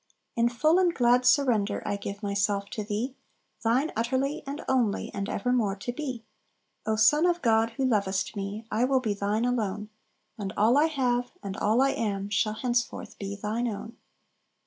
"In full and glad surrender I give myself to Thee, Thine utterly, and only, and evermore to be! O Son of God, who lovest me, I will be Thine alone; And all I have, and all I am, shall henceforth be Thine own."